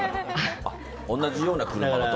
同じような車に。